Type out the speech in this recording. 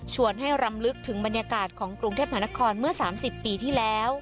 ให้รำลึกถึงบรรยากาศของกรุงเทพมหานครเมื่อ๓๐ปีที่แล้ว